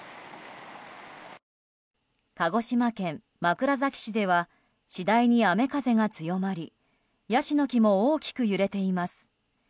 鹿児島県枕崎市では次第に雨風が強まりヤシの木も大きく揺れています。